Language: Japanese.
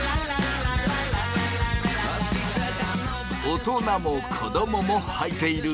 大人も子供もはいている